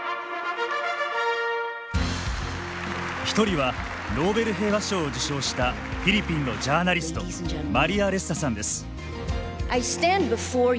一人はノーベル平和賞を受賞したフィリピンのジャーナリストマリア・レッサさんです。